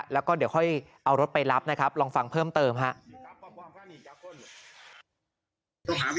แล้วก็เดี๋ยวค่อยเอารถไปรับนะครับลองฟังเพิ่มเติมครับ